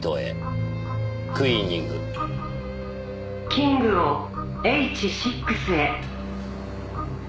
「キングをｈ６へ」